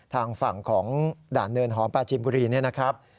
ทางฝั่งของด่านเนินหอมปลาจินบุรีเนี่ยนะครับ